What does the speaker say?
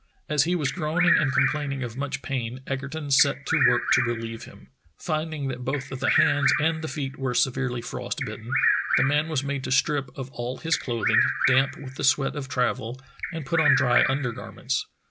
As he was groaning and complaining of much pain, Egerton set to work to relieve him. Finding that both the hands and the feet were severely frost bitten, the man was made to strip off all his clothing, damp with the sweat of travel, and put on dry undergarments.